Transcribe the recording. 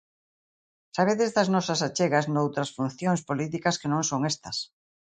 Sabedes das nosas achegas noutras funcións políticas que non son estas.